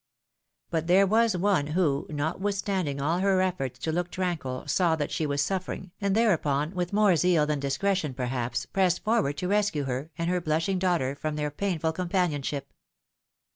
But there was one who, notwithstanding all her efforts to look tran quil, saw that she was suffering, and thereupon, with more zeal than discretion perhaps, pressed forward to rescue her and her blushing daughter from their painful companionship.